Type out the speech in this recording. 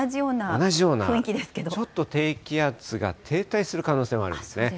同じような、ちょっと低気圧が停滞する可能性もあるんですね。